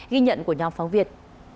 ghi nhận của nhóm phóng việt